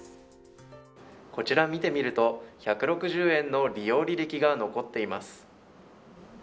こちら、見てみると１６０円の利用履歴が残っています。